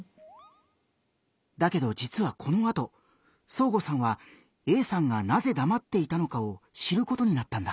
だけどじつはこのあとそーごさんはＡさんがなぜだまっていたのかを知ることになったんだ。